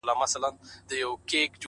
پوه انسان له اختلافه زده کړه کوي,